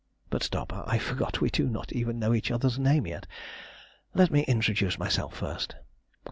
But stop. I forgot that we do not even know each other's name yet. Let me introduce myself first.